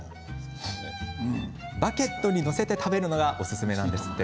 バゲットに載せて食べるのがおすすめなんですって。